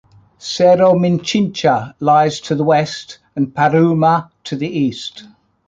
Cerro Minchincha lies to the west and Paruma to the east.